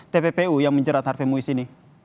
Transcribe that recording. tppu yang menjerat harfimu di sini